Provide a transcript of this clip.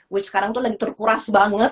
which sekarang tuh lagi terkuras banget